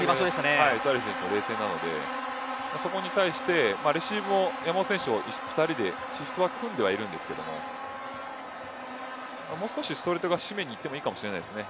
イランの選手は冷静なのでそこに対してレシーブも山本選手、２人でシフトは組んではいるんですけどもう少しストレート側に守備にいってもいいかもしれないですね。